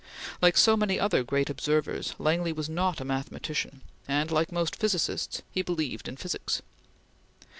Like so many other great observers, Langley was not a mathematician, and like most physicists, he believed in physics.